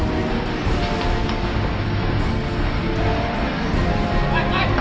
ขึ้นมา